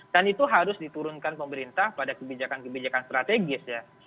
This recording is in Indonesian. dan itu harus diturunkan pemerintah pada kebijakan kebijakan strategis ya